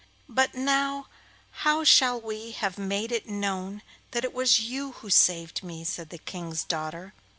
'But now, how shall we have it made known that it was you who saved me?' said the King's daughter.